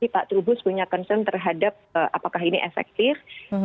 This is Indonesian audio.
pak trubus punya concern terhadap apakah ini efektif